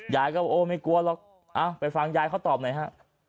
ยายก็โอ้ไม่กลัวหรอกไปฟังยายเขาตอบหน่อยฮะ